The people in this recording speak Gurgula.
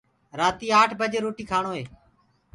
رآتي آٺ بجي روٽيٚ ڪآڻوئي